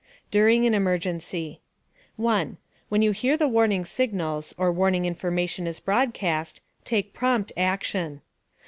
DURING AN EMERGENCY 1. When you hear the warning signals, or warning information is broadcast, take prompt action.